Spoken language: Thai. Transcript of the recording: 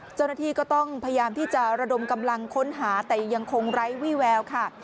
เจ้าหน้าที่ก็ต้องพยายามที่จะระดมกำลังค้นหาแต่ยังคงไร้วี่แววค่ะ